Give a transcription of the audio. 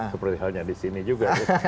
seperti halnya di sini juga